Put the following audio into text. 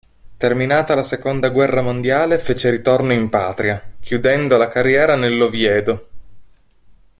Terminata la seconda guerra mondiale fece ritorno in patria, chiudendo la carriera nell'Oviedo.